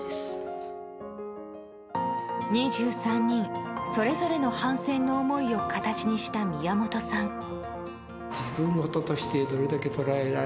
２３人それぞれの反戦の思いを形にした宮本さん。